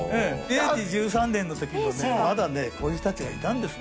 明治１３年のときにはねまだねこういう人たちがいたんですね。